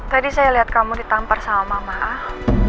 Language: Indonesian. tadi saya lihat kamu ditampar sama mama